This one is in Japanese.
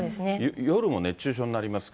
夜も熱中症になりますから。